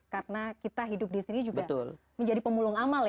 karena kita hidup disini juga menjadi pemulung amal ya